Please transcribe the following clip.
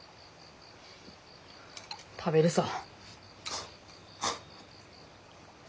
食べるさ。